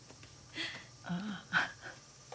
ああ。